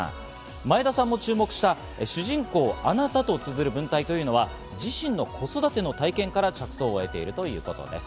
前田さんも注目した主人公を「あなた」と綴る文体というのは、自身の子育ての体験から着想を得ているということです。